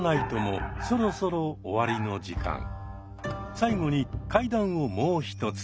最後に怪談をもう一つ。